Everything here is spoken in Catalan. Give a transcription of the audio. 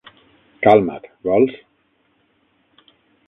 Calma't, vols?